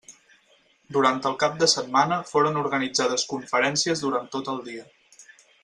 Durant el cap de setmana foren organitzades conferències durant tot el dia.